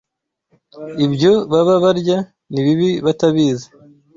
ibyo baba barya nibibi batabizi